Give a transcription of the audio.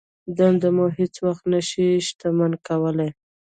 دنده مو هېڅ وخت نه شي شتمن کولای.